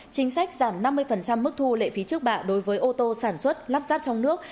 chính sách giảm năm mươi mức thu lệ phí trước bạ đối với ô tô sản xuất lắp ráp trong nước